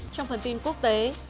trong phần tin quốc tế